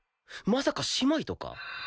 まさか姉妹とか？